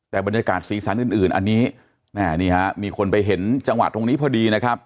แต่บรรยากาศศรีสรรค์อื่นอันนี้มีคนไปเห็นจังหวะตรงนี้พอดีนะครับ